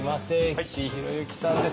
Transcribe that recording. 岸博幸さんです。